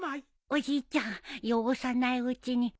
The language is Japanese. おじいちゃん汚さないうちにねっ。